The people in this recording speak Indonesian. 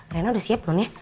rena udah siap lon ya